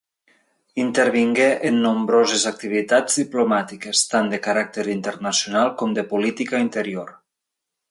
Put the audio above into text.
Intervingué en nombroses activitats diplomàtiques, tant de caràcter internacional com de política interior.